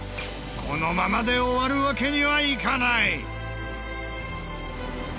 このままで終わるわけにはいかない！